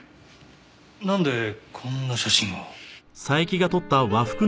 なんでこんな写真を？